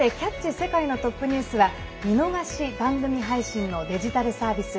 世界のトップニュース」は見逃し配信のデジタルサービス